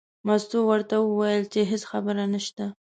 مستو ورته وویل چې هېڅ خبره نشته.